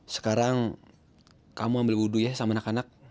sekarang kamu ambil wudhu ya sama anak anak